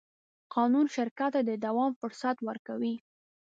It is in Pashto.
قانون شرکت ته د دوام فرصت ورکوي.